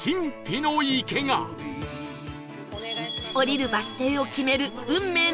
降りるバス停を決める運命のサイコロ